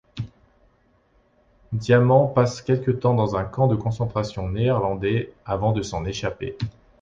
Diamand passe quelque temps dans un camp de concentration néerlandais, avant de s'en échapper.